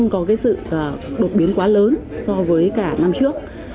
có cái sự đột biến quá lớn so với cả năm trước